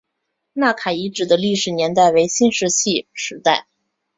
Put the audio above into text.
纳卡遗址的历史年代为新石器时代。